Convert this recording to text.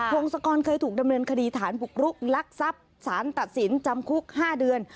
พงศกรเคยถูกดำเนินคดีฐานบุกรุกลักทรัพย์สารตัดสินจำคุก๕เดือน